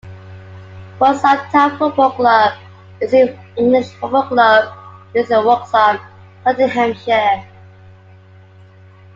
Worksop Town Football Club is an English football club based in Worksop, Nottinghamshire.